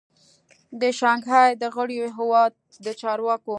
د شانګهای د غړیو هیوادو د چارواکو